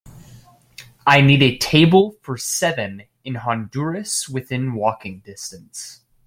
I need a table for seven in Honduras within walking distance